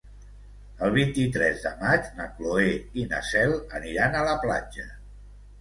El vint-i-tres de maig na Cloè i na Cel aniran a la platja.